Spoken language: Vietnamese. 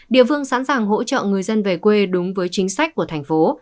địa phương sẵn sàng hỗ trợ người dân về quê đúng với chính sách của thành phố